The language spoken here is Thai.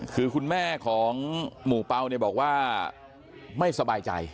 คือคุณแม่ของหมู่เปล่าเนี่ยบอกว่าไม่สบายใจ